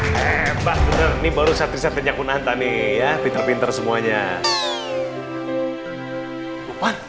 tebak bener nih baru setrisetnya kunanta nih ya pinter pinter semuanya